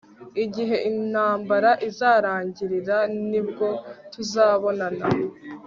igihe intambara izarangirira nibwo tuzabonana